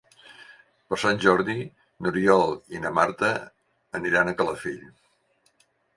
Per Sant Jordi n'Oriol i na Marta aniran a Calafell.